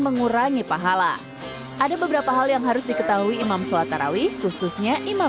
mengurangi pahala ada beberapa hal yang harus diketahui imam sholat tarawih khususnya imam